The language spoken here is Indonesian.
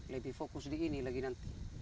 lebih fokus di ini lagi nanti